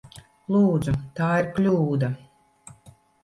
Lūdzu! Tā ir kļūda!